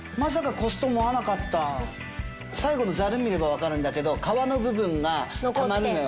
まさか最後のざる見れば分かるんだけど皮の部分がたまるのよ